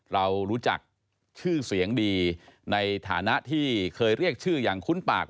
เรารู้จักชื่อเสียงดีในฐานะที่เคยเรียกชื่ออย่างคุ้นปาก